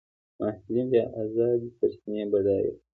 محصلین دي ازادې سرچینې بډایه کړي.